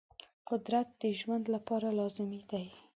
قدرت د ژوند لپاره لازمي دی.